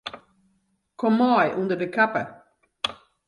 Kom mei ûnder de kappe.